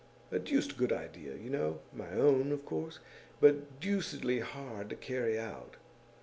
A deuced good idea, you know my own, of course but deucedly hard to carry out.